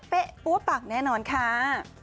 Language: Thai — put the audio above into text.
เป้๊ะปู้ปักแน่นอนคะ